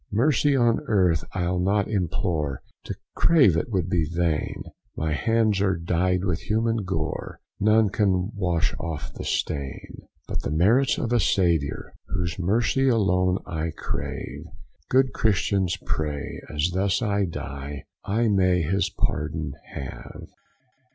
Mercy on earth I'll not implore, To crave it would be vain, My hands are dyed with human gore, None can wash off the stain, But the merits of a Saviour, Whose mercy alone I crave; Good Christians pray, as thus I die, I may his pardon have.